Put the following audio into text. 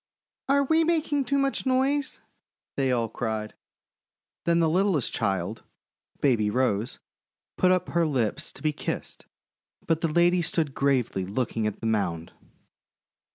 "Are we making too much noise?' they all cried. Then the littlest child, Baby Rose, put up her lips to be kissed, but the lady stood gravely looking at the mound.